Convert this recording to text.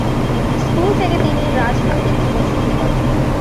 School থেকে তিনি রাজনৈতিক জীবন শুরু করেন।